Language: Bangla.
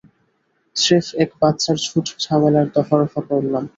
স্রেফ এক বাচ্চার ঝুট-ঝামেলার দফারফা করলাম।